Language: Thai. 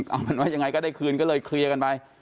เอาเป็นว่ายังไงก็ได้คืนก็เลยเคลียร์กันไป